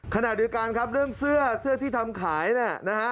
ขณะด้วยการครับเรื่องเสื้อเสื้อที่ทำขายนะ